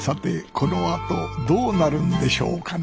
このあとどうなるんでしょうかな